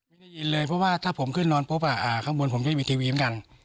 ได้ยินเลยเพราะว่าถ้าผมขึ้นนอนปุ๊บข้างบนผมจะมีทีวีเหมือนกัน